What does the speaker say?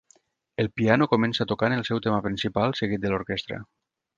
El piano comença tocant el seu tema principal, seguit de l'orquestra.